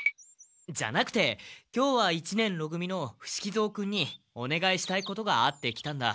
じゃなくて今日は一年ろ組の伏木蔵君におねがいしたいことがあって来たんだ。